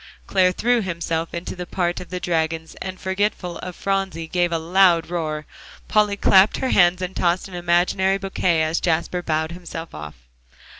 '" Clare threw himself into the part of the dragons, and forgetful of Phronsie, gave a loud roar. Polly clapped her hands and tossed an imaginary bouquet as Jasper bowed himself off.